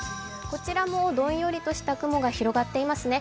こちらもどんよりとした雲が広がっていますね。